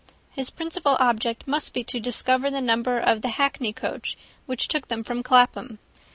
His principal object must be to discover the number of the hackney coach which took them from Clapham.